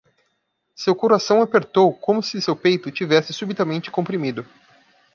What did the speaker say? Seu coração apertou? como se seu peito tivesse subitamente comprimido.